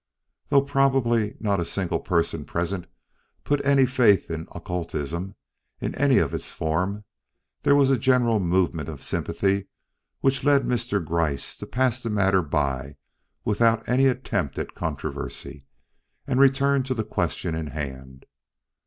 Though probably not a single person present put any faith in occultism in any of its forms, there was a general movement of sympathy which led Mr. Gryce to pass the matter by without any attempt at controversy, and return to the question in hand.